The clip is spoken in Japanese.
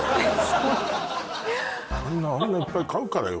そうあんなあんないっぱい買うからよ